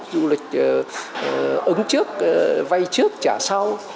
du lịch ứng trước vay trước trả sau